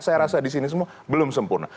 saya rasa di sini semua belum sempurna